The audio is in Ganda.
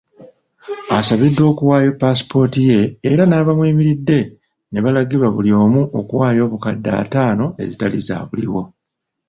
Asabiddwa okuwaayo paasipooti ye era n'abamweyimiridde ne balangirwa buli omu okuwaayo obukadde ataano ezitali zaabuliwo.